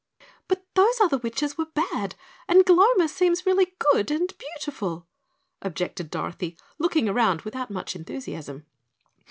"But those other witches were bad and Gloma seems really good and beautiful," objected Dorothy, looking around without much enthusiasm.